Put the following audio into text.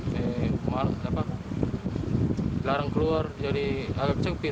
kemarin larang keluar jadi agak cepat